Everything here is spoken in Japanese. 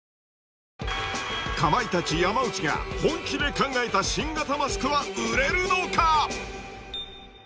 かまいたち・山内が、本気で考えた新型マスクは売れるのか。